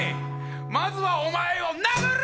まずはお前を殴る！